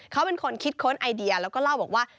เขาเป็นคนคิดค้นไอเดียแล้วก็เล่าบอกว่า